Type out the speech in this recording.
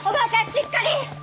しっかり！